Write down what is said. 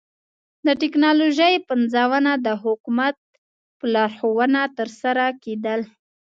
د ټکنالوژۍ پنځونه د حکومت په لارښوونه ترسره کېدل